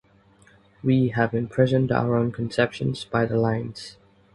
We have imprisoned our own conceptions by the lines.